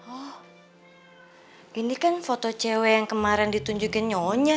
oh ini kan foto cewek yang kemarin ditunjukin nyonya